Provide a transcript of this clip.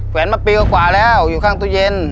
แวนมาปีกว่าแล้วอยู่ข้างตู้เย็น